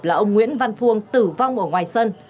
là ông nguyễn văn phuông tử vong ở ngoài sân